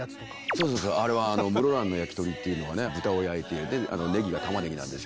そうそうあれは室蘭のやきとりっていうのはね豚を焼いてねぎが玉ねぎなんですけど。